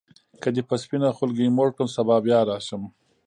که دي په سپینه خولګۍ موړ کړم سبا بیا راشم.